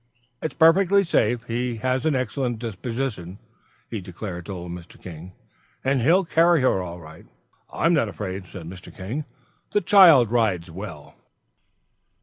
"It's perfectly safe; he has an excellent disposition," he declared to old Mr. King, "and he'll carry her all right." "I'm not afraid," said Mr. King, "the child rides well."